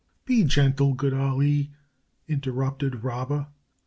] "Be gentle, good Ali," interrupted Rabba.